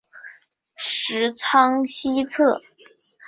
十仓西侧。